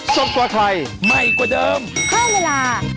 สวัสดีค่ะ